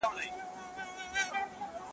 ټوله خوشحالی ده.